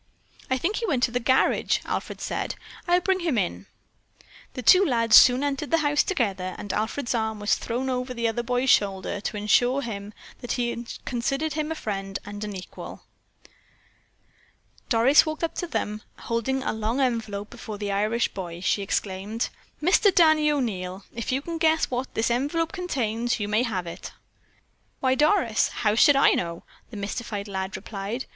"I think he went to the garage," Alfred said. "I'll bring him in." The two lads soon entered the house together and Alfred's arm was thrown over the other boy's shoulder to assure him that he considered him a friend and an equal. Doris walked up to them and, holding a long envelope before the Irish boy, she exclaimed: "Mister Danny O'Neil, if you can guess what this envelope contains, you may have it." "Why, Doris, how should I know?" the mystified lad replied.